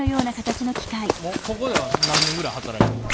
ここでは何年ぐらい働いてる？